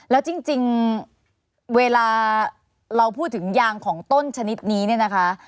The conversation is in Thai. แล้วจริงเวลาเราพูดถึงยางของต้นชนิดนี้เนี่ยนะคะ